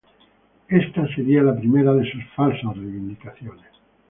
Esta sería la primera de sus falsas reivindicaciones.